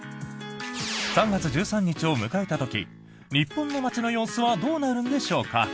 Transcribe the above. ３月１３日を迎えた時日本の街の様子はどうなるんでしょうか？